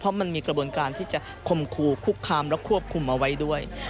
เพราะมันมีกระบวนการที่จะคมคู่คุกคามและควบคุมเอาไว้ด้วย